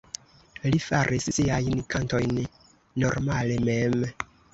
Li faris siajn kantojn normale mem.